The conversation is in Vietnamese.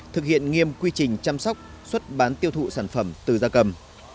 thực hiện nghiêm quy trình chăm sóc xuất bán tiêu thụ sản phẩm từ da cầm